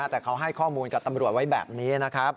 แต่เขาให้ข้อมูลกับตำรวจไว้แบบนี้นะครับ